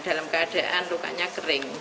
dalam keadaan lukanya kering